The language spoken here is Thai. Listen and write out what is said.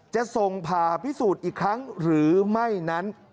จะส่งผ่าพิสูจน์อีกครั้งหรือไม่นั้น